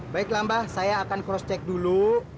baiklah mbak saya akan cross check dulu